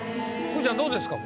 くーちゃんどうですか？